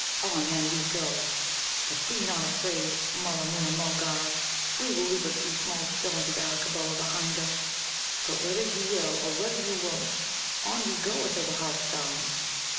On, then, we go! But be not afraid, Mulla moona mulgar. We will leave a few small stones of Arakkaboa behind us. But whether you will or whether you won't, on we go until the Harp sounds.